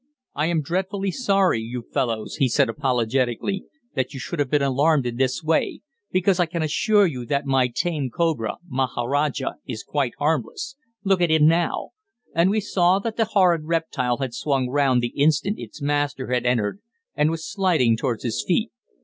"I am dreadfully sorry, you fellows," he said apologetically, "that you should have been alarmed in this way, because I can assure you that my tame cobra, 'Maharaja,' is quite harmless look at him now," and we saw that the horrid reptile had swung round the instant its master had entered, and was sliding towards his feet.